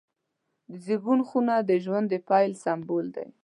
د زیږون خونه د ژوند د پیل سمبول دی.